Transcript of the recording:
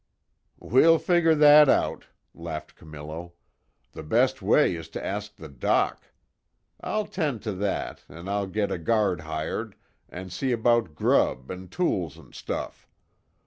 "We'll figger that out," laughed Camillo, "The best way is to ask the doc. I'll tend to that, an' I'll get a guard hired, an' see about grub an' tools and stuff.